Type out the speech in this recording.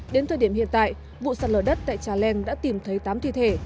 đến thời điểm hiện tại vụ sạt lở đất tại trà leng đã tìm thấy tám thi thể